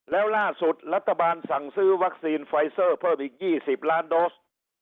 แล้วล่าสุดรัฐบาลสั่งซื้อวัคซีนไฟเซอร์เพิ่มอีก๒๐ล้านโดส